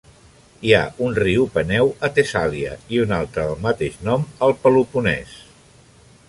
Hi ha un riu Peneu a Tessàlia, i un altre del mateix nom al Peloponès.